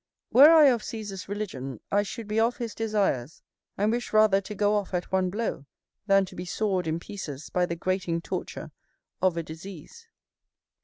Were I of Cæsar's religion, I should be of his desires, and wish rather to go off at one blow, than to be sawed in pieces by the grating torture of a disease.